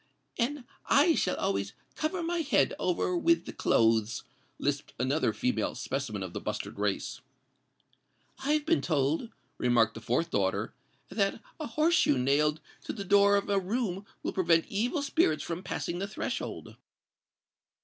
"And I shall always cover my head over with the clothes," lisped another female specimen of the Bustard race. "I've been told," remarked the fourth daughter, "that a horse shoe nailed to the door of a room will prevent evil spirits from passing the threshold."